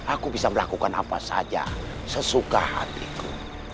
aku bisa melakukan apa saja sesuka hatiku